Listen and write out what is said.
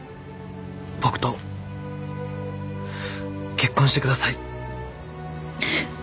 僕と結婚してください。